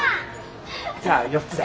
じゃあ４つで。